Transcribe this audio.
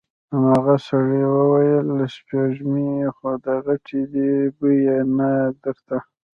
هماغه سړي وويل: سپږمې خو دې غټې دې، بوی يې نه درته؟